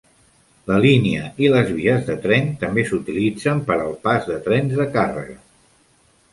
La línia i les vies de tren també s'utilitzen per al pas de trens de càrrega.